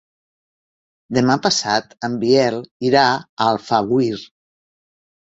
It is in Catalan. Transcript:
Demà passat en Biel irà a Alfauir.